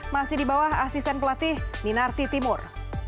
masih di bawah asisten pelatih minarti timur